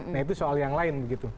nah itu soal yang lain begitu